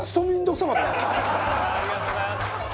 ありがとうございます。